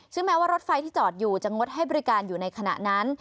ซึ่งแม้ว่ารถไฟที่จอดอยู่จะงดให้บริการอยู่ในขณะนั้น